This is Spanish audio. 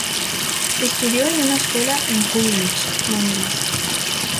Estudió en una escuela en Woolwich, Londres.